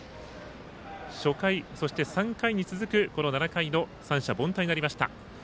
初回、そして３回に続く７回の三者凡退になりました。